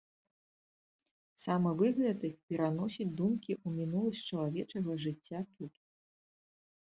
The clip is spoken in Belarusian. Самы выгляд іх пераносіць думкі ў мінуласць чалавечага жыцця тут.